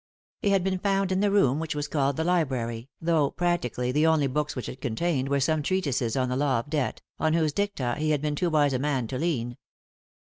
He had been found in the room which was called the library, though practically the only books which it contained were some treatises on the law of debt, on whose dicta he had been too wise a man to lean.